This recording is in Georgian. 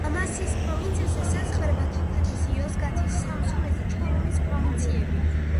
ამასიის პროვინციას ესაზღვრება თოქათის, იოზგათის, სამსუნის და ჩორუმის პროვინციები.